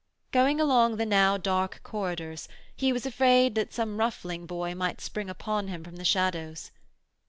Going along the now dark corridors he was afraid that some ruffling boy might spring upon him from the shadows.